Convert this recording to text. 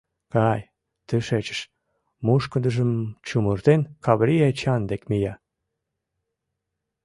Кай тышечыш — мушкындыжым чумыртен, Каврий Эчан дек Мия.